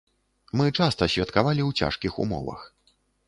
Мы часта святкавалі ў цяжкіх умовах.